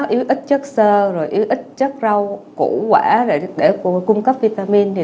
yếu ít chất sơ yếu ít chất rau củ quả để cung cấp vitamin